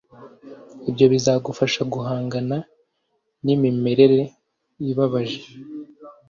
Ibyo bizagufasha guhangana n imimerere ibabaje